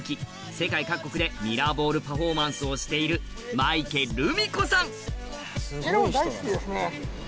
世界各国でミラーボールパフォーマンスをしているになる。